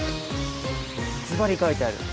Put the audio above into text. ずばり書いてある。